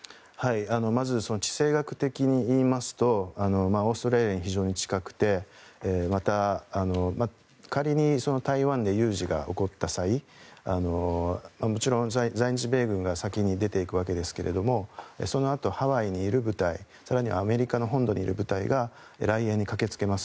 まず地政学的に言いますとオーストラリアに非常に近くて仮に、台湾で有事が起こった際もちろん在日米軍が先に出ていくわけですがそのあとハワイにいる部隊更にアメリカの本土にいる部隊が来援に駆けつけます。